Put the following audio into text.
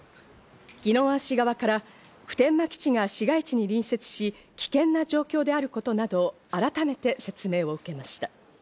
宜野湾市側から普天間基地が市街地に隣接し、危険な状況であることなどを改めて説明を受けました。